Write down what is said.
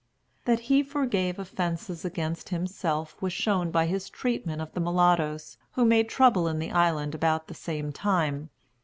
That he could forgive offences against himself was shown by his treatment of the mulattoes, who made trouble in the island about the same time.